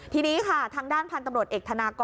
ทีนี้ค่ะทางด้านพันธุ์ตำรวจเอกธนากร